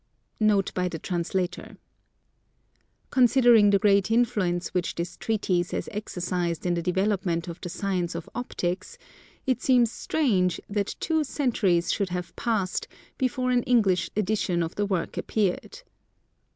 NOTE BY THE TRANSLATOR Considering the great influence which this Treatise has exercised in the development of the Science of Optics, it seems strange that two centuries should have passed before an English edition of the work appeared.